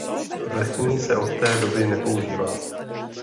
Vrchní se od té doby nepoužívá.